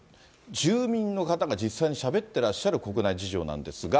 住民の方が実際にしゃべっていらっしゃる国内事情なんですが。